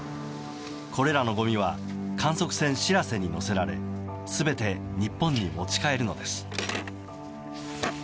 これらのごみは観測船「しらせ」に載せられ全て日本に持ち帰るのです。